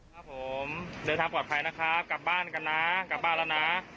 ครับผมเดินทางปลอดภัยนะครับกลับบ้านกันนะกลับบ้านแล้วนะ